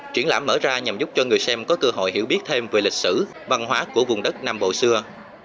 triển lãm mở ra nhằm giúp cho người xem có cơ hội hiểu biết thêm về lịch sử văn hóa của vùng đất nam bộ xưa